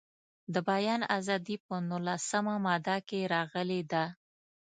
د بیان ازادي په نولسمه ماده کې راغلې ده.